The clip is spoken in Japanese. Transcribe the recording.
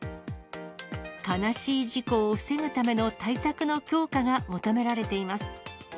悲しい事故を防ぐための対策の強化が求められています。